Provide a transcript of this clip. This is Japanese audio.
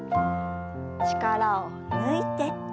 力を抜いて。